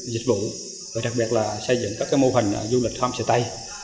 dịch vụ và đặc biệt là xây dựng các mô hình du lịch homestay